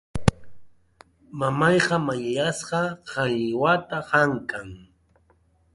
Mamayqa mayllasqa qañiwata hamkʼan.